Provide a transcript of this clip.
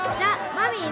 ・マミィ